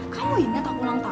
kamu inget aku ulang tahun